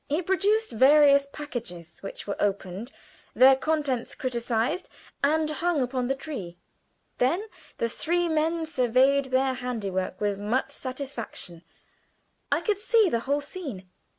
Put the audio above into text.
He produced various packages which were opened, their contents criticised, and hung upon the tree. Then the three men surveyed their handiwork with much satisfaction. I could see the whole scene.